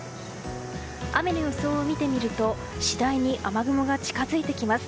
雨の予想を見てみると次第に雨雲が近づいてきます。